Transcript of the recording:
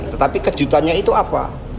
tetapi kejutannya itu apa